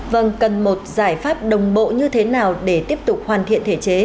vâng cần một giải pháp đồng bộ như thế nào để tiếp tục hoàn thiện thể chế